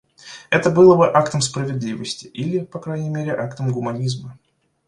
Это было бы актом справедливости или, по крайней мере, актом гуманизма.